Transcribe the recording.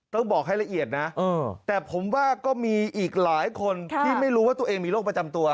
ต้องบอกให้ละเอียดนะแต่ผมว่าก็มีอีกหลายคนที่ไม่รู้ว่าตัวเองมีโรคประจำตัว